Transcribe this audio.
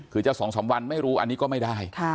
คือจะ๒๓วันไม่รู้อันนี้ก็ไม่ได้